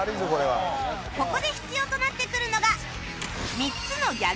ここで必要となってくるのが